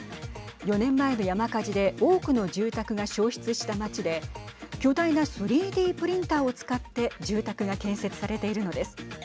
４年前の山火事で多くの住宅が焼失した町で巨大な３Ｄプリンターを使って住宅が建設されているのです。